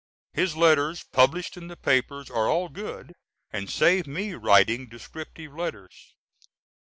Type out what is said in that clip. His letters published in the papers are all good, and save me writing descriptive letters.